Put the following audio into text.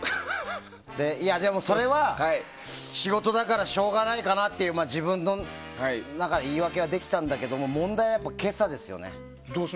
いやでも、それは仕事だからしょうがないかなと自分の中で言い訳はできたんだけども問題は今朝ですよね。